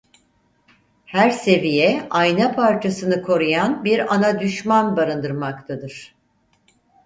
Her seviye ayna parçasını koruyan bir ana düşman barındırmaktadır.